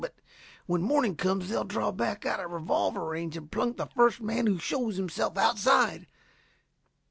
But when morning comes they'll draw back out of revolver range and plunk the first man who shows himself outside.